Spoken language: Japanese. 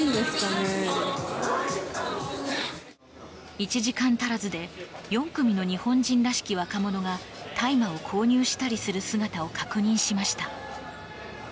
１時間足らずで４組の日本人らしき若者が大麻を購入したりする姿を確認しました。